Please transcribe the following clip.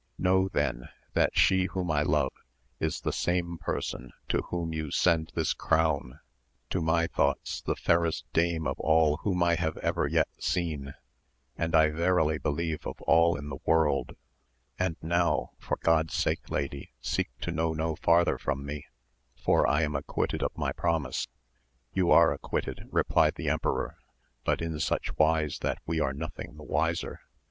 Know then that she whom I love is the same person to whom you send this crown, to my thoughts the fairest dame of all whom I have ever yet seen, and I verily believe of all in the world, and now for God's sake lady seek to know no farther from me, for I am acquitted of my promise. You are acquitted, replied the emperor, but in such wise that we are nothing the wiser.